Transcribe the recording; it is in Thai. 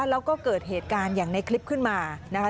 แล้วก็เกิดเหตุการณ์อย่างในคลิปขึ้นมานะคะ